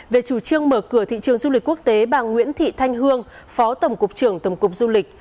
về chủ trương mở cửa thị trường du lịch quốc tế bà nguyễn thị thanh hương phó tổng cục trưởng tổng cục du lịch